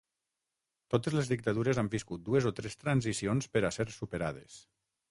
Totes les dictadures han viscut dues o tres transicions per a ser superades.